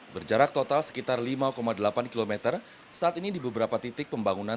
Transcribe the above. berjarak total sekitar lima delapan km saat ini di beberapa titik pembangunan